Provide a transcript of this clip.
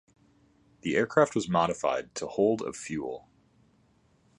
The aircraft was modified to hold of fuel.